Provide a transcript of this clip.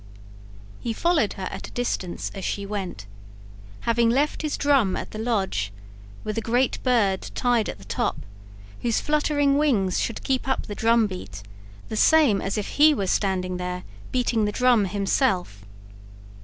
He followed her at a distance as she went, having left his drum at the lodge, with a great bird tied at the top, whose fluttering wings should keep up the drumbeat, the same as if he were standing there beating the drum himself.